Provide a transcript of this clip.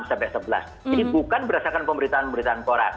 jadi bukan berdasarkan pemberitaan pemberitaan koran